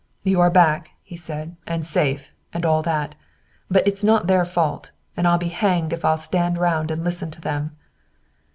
"You are back," he said, "and safe, and all that. But it's not their fault. And I'll be hanged if I'll stand round and listen to them."